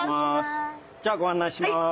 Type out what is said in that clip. じゃあご案内します。